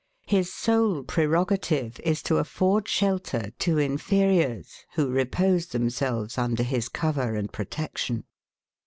His sole prerogative is to afford shelter to inferiors, who repose themselves under his cover and protection.